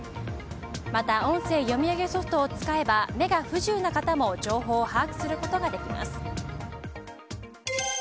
また音声読み上げソフトを使えば目が不自由な方も情報を把握することができます。